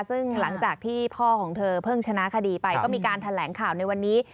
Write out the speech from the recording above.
ซึ่งหลังจากที่พ่อของเธอเพิ่งชนะคดีไปก็มีการแถลงข่าวในวันนี้